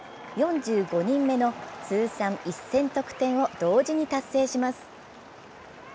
４５人目の通算１０００得点を同時に達成します。